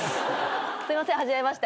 すいません初めまして。